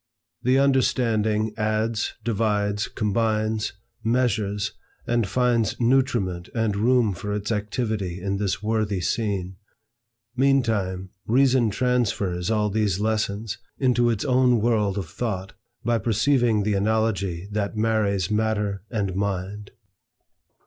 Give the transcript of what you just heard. The understanding adds, divides, combines, measures, and finds nutriment and room for its activity in this worthy scene. Meantime, Reason transfers all these lessons into its own world of thought, by perceiving the analogy that marries Matter and Mind.